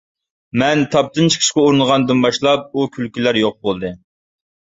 مەن تاپتىن چىقىشقا ئۇرۇنغاندىن باشلاپ ئۇ كۈلكىلەر يوق بولدى.